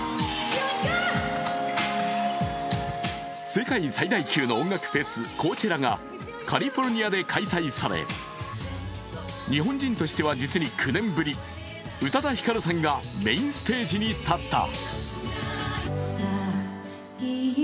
世界最大級の音楽フェス、コーチェラがカリフォルニアで開催され、日本人としては実に９年ぶり、宇多田ヒカルさんがメインステージに立った。